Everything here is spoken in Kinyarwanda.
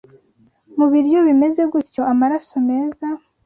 mu biryo bimeze gutyo amaraso meza